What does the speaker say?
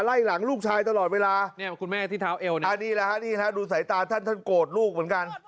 ไล่หลังลูกชายตลอดเวลาเนี่ยคุณแม่ที่เท้าเอวนะนี่แหละฮะนี่ฮะดูสายตาท่านท่านโกรธลูกเหมือนกัน